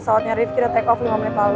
kesawatnya rifki udah take off lima menit lalu